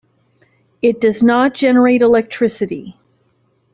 It does not generate electricity.